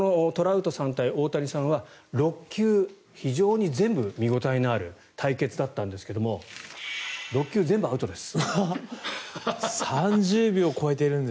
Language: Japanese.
この大谷さん対トランプさんは６球非常に全部、見応えのある対決だったんですが６球全部アウトです。